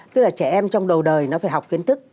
tức là trẻ em trong đầu đời nó phải học kiến thức